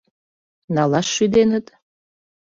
Налаш шӱденыт?